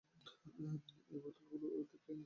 এই বোতলগুলো দেখলে নিজেকে কিছুটা মাতাল মনে হয়।